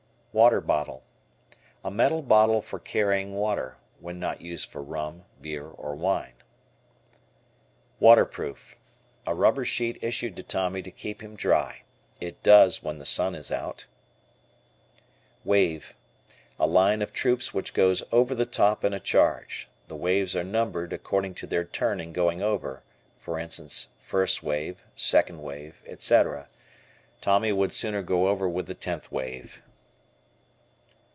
Water Bottle. A metal bottle for carrying water (when not used for rum, beer, or wine). Waterproof. A rubber sheet issued to Tommy to keep him dry. It does when the sun is out. Wave. A line of troops which goes "over the top" in a charge. The waves are numbered according to their turn in going over, viz., "First Wave," "Second Wave," etc. Tommy would sooner go over with the "Tenth Wave."